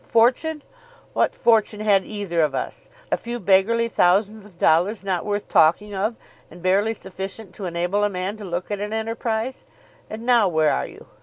"Fortune! what fortune had either of us? a few beggarly thousands of dollars not worth talking of, and barely sufficient to enable a man to look at an enterprise. And now where are you?